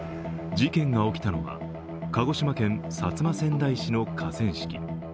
事件が起きたのは鹿児島県薩摩川内市の河川敷。